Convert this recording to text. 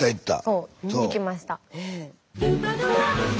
そう。に行きました。